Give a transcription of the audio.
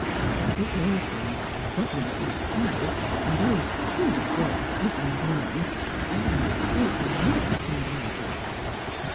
But with this awful man gobbling at my side, and those foolish girls giggling beyond, even the forty minutes seemed ages.